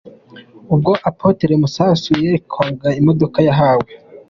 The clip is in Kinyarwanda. Ubwo Apotre Masasu yerekwaga imodoka yahawe.